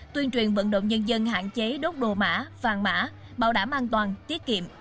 tuyên truyền vận động nhân dân hạn chế đốt đồ mã vàng mã bảo đảm an toàn tiết kiệm